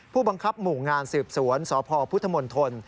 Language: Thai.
ผู้บังคับหมู่งานสืบสวนสพทน